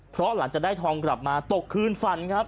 เพราะหลังจากได้ทองกลับมาตกคืนฝันครับ